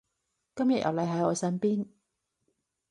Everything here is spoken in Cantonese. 今日有你喺我身邊